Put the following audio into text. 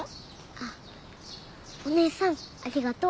あっお姉さんありがとう。